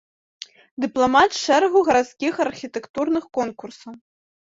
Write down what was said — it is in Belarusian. Дыпламант шэрагу гарадскіх архітэктурных конкурсаў.